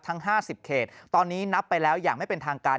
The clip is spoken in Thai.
ทั้ง๕๐เขตตอนนี้นับไปแล้วอย่างไม่เป็นทางการ